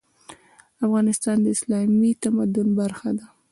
افغانستان د اسلامي تمدن برخه ده.